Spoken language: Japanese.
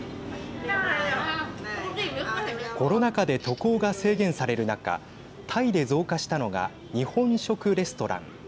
コロナ禍で渡航が制限される中タイで増加したのが日本食レストラン。